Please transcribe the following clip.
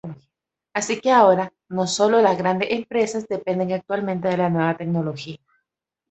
Así que ahora, no sólo las grandes empresas dependen actualmente de la nueva tecnología.